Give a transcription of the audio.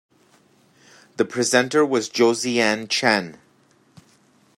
The presenter was Josiane Chen.